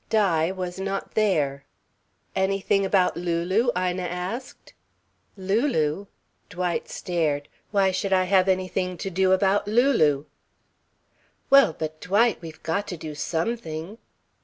Di was not there. "Anything about Lulu?" Ina asked. "Lulu?" Dwight stared. "Why should I have anything to do about Lulu?" "Well, but, Dwight we've got to do something."